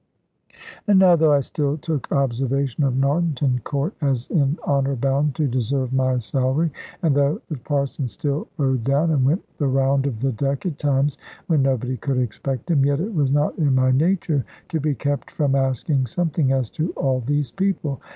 And now, though I still took observation of Narnton Court (as in honour bound to deserve my salary), and though the Parson still rode down, and went the round of the deck at times when nobody could expect him; yet it was not in my nature to be kept from asking something as to all these people.